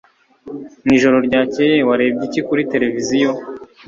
Mwijoro ryakeye warebye iki kuri tereviziyo